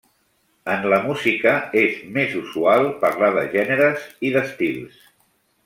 En la música és més usual parlar de gèneres i d'estils.